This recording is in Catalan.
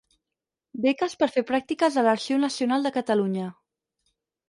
Beques per fer pràctiques a l'Arxiu Nacional de Catalunya.